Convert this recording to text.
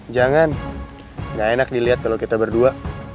jangan gak enak dilihat kalau kita berdua